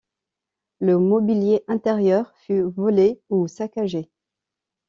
Le mobilier intérieur fut volé ou saccagé.